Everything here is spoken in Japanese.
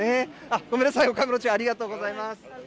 ごめんなさい、お買い物中ありがとうございます。